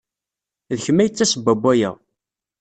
D kemm ay d tasebba n waya.